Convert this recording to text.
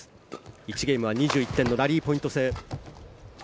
１ゲームは２１点のラリーポイント制。